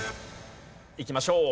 いきましょう。